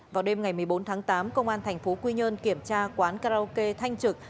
vào đêm ngày một mươi bốn tháng tám công an tp quy nhơn kiểm tra quán karaoke thanh trực